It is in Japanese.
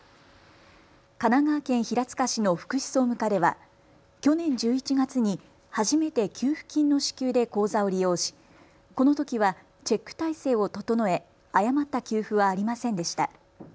神奈川県平塚市の福祉総務課では去年１１月に初めて給付金の支給で口座を利用し、このときはチェック体制を整え誤った給付はありませんでした。